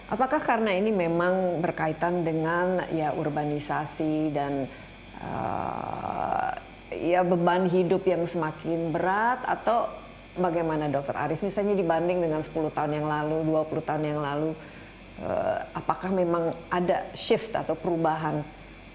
apakah karena ini memang berkaitan dengan ya urbanisasi dan beban hidup yang semakin berat atau bagaimana dokter aris misalnya dibanding dengan sepuluh tahun yang lalu dua puluh tahun yang lalu apakah memang ada shift atau perubahan